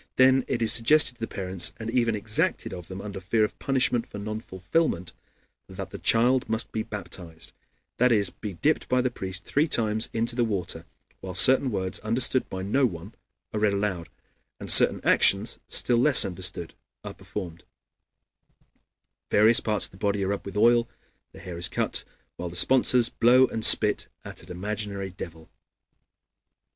Then it is suggested to the parents, and even exacted of them, under fear of punishment for non fulfillment, that the child must be baptized; that is, be dipped by the priest three times into the water, while certain words, understood by no one, are read aloud, and certain actions, still less understood, are performed; various parts of the body are rubbed with oil, and the hair is cut, while the sponsors blow and spit at an imaginary devil.